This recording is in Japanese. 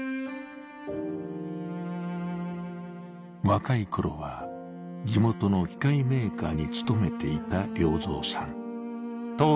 若い頃は地元の機械メーカーに勤めていた良造さん